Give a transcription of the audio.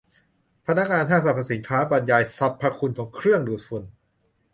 พนักงานห้างสรรพสินค้าบรรยายสรรพคุณของเครื่องดูดฝุ่น